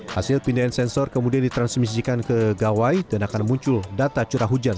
hasil pindahan sensor kemudian ditransmisikan ke gawai dan akan muncul data curah hujan